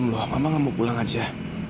mama mau pulang aja